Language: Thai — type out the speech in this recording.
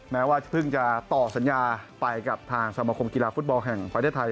แม้ว่าเพิ่งจะต่อสัญญาไปกับทางสมคมกีฬาฟุตบอลแห่งประเทศไทย